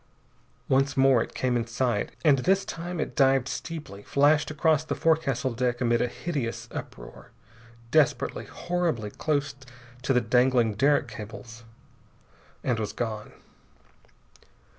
Once more it came in sight, and this time it dived steeply, flashed across the forecastle deck amid a hideous uproar, desperately, horribly close to the dangling derrick cables, and was gone.